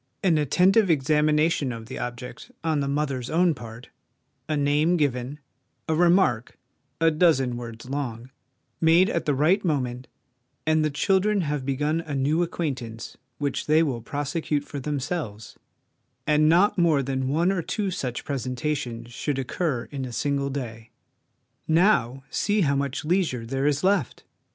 ' an attentive examination of the object on the mother's own part, a name given, a remark a dozen words long made at the right moment, and the children have begun a new acquaintance which they will prosecute for themselves ; and not more OUT OF DOOR LIFE FOR THE CHILDREN 79 than one or two such presentations should occur in a single day. Now, see how much leisure there is left